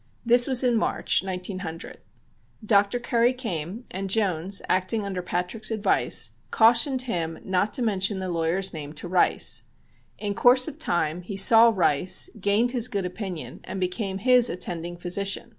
This was in March, 1900. Dr. Curry came, and Jones, acting under Patrick's advice, cautioned him not to mention the lawyer's name to Rice. In course of time he saw Rice, gained his good opinion and became his attending physician.